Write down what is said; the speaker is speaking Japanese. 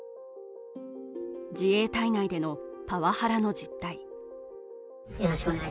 自衛隊内でのパワハラの実態。